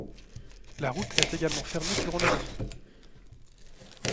La route est également fermée durant la nuit.